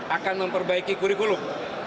akan memperbaiki kurikulum